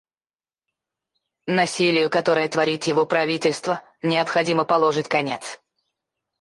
Насилию, которое творит его правительство, необходимо положить конец.